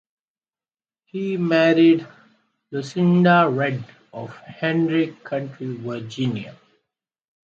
He married Lucinda Redd of Henry County, Virginia.